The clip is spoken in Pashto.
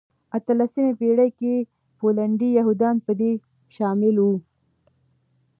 اتلمسې پېړۍ کې پولنډي یهودان په دې شامل وو.